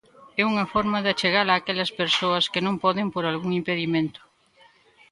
É unha forma de achegala a aquelas persoas que non poden por algún impedimento.